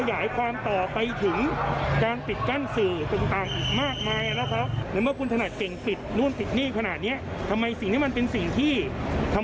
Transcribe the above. มากกว่าเว็บโต๊ะเมื่อการเล่นพนันยังลอยนวดได้อีก